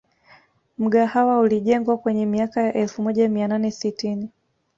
Mgahawa ulijengwa kwenye miaka ya elfu moja mia nane sitini